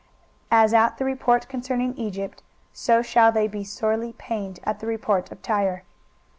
23:023:005 As at the report concerning Egypt, so shall they be sorely pained at the report of Tyre.